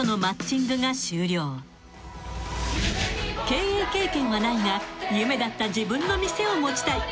［経営経験はないが夢だった自分の店を持ちたい］